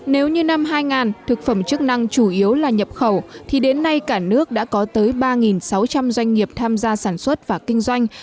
nếu như năm hai thực phẩm chức năng chủ yếu là nhập khẩu thì đến nay cả nước đã có tới ba sáu trăm linh doanh nghiệp tham gia sản xuất và kinh doanh